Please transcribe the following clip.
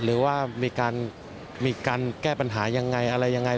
หรือว่ามีการแก้ปัญหายังไงอะไรยังไง